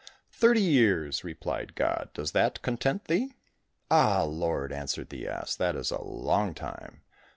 "Thirty years," replied God; "does that content thee?" "Ah, Lord," answered the ass, "that is a long time.